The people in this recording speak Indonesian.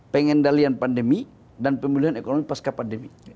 pengendalian pandemi dan pemulihan ekonomi pasca pandemi